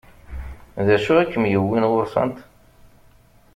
D acu i kem-yewwin ɣur-sent?